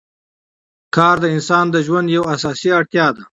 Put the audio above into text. کار د انسان د ژوند یوه اساسي اړتیا ده